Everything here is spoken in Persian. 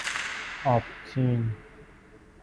آپتین